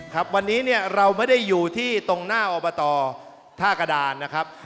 ครับวันนี้เนี่ยเราไม่ได้อยู่ที่ตรงหน้าอบตท่ากระดานนะครับ